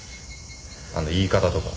あの言い方とか。